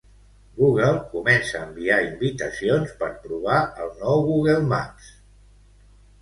Google comença a enviar invitacions per provar el nou Google Maps.